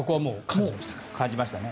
感じましたね。